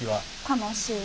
楽しい。